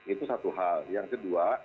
itu satu hal yang kedua